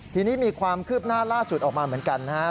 ทีนี้มีความคืบหน้าล่าสุดออกมาเหมือนกันนะครับ